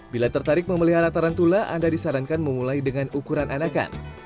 bila tertarik memelihara tarantula anda disarankan memulai dengan ukuran anakan